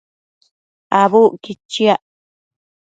Abucquid chiac